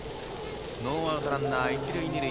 ノーアウトランナー、一塁二塁。